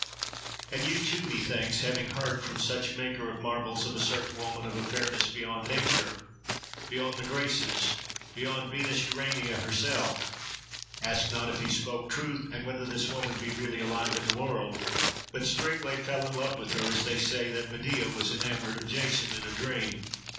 And you too, methinks, having heard from some such maker of marvels of a certain woman of a fairness beyond nature—beyond the Graces, beyond Venus Urania herself—asked not if he spoke truth, and whether this woman be really alive in the world, but straightway fell in love with her; as they say that Medea was enamoured of Jason in a dream.